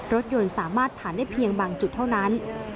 รถยนต์สามารถผ่านได้เพียงบางจุดเท่านั้น